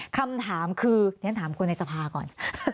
คำถามคือฉะนั้นถามคนในทรภาพก่อน